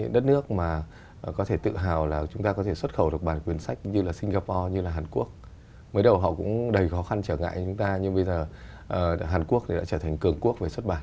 được sách thì chúng ta phải tìm ra được